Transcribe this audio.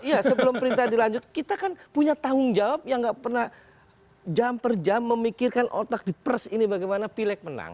iya sebelum perintah dilanjut kita kan punya tanggung jawab yang nggak pernah jam per jam memikirkan otak di pers ini bagaimana pilek menang